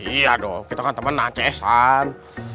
iya dong kita kan temen acesan